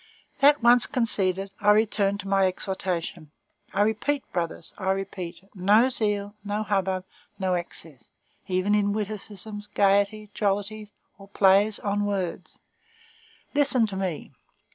That once conceded, I return to my exhortation. I repeat, brothers, I repeat, no zeal, no hubbub, no excess; even in witticisms, gayety, jollities, or plays on words. Listen to me.